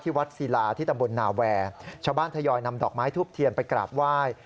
วัดศิลาที่ตำบลนาแวร์ชาวบ้านทยอยนำดอกไม้ทูบเทียนไปกราบไหว้